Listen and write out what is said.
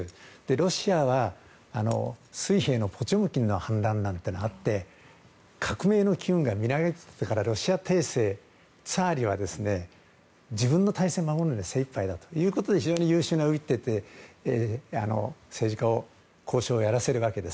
ロシアは水兵の反乱なんていうのがあって革命の機運が見られてからロシア帝政、スターリンは自分の体制を守るので精一杯だということで非常に優秀なウィッテという政治家に交渉をやらせるわけです。